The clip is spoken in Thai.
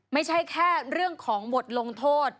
ไม่ใช่แค่เรื่องของบทลงโทษ